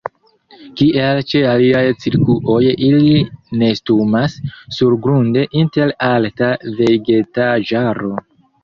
Kiel ĉe aliaj cirkuoj ili nestumas surgrunde inter alta vegetaĵaro.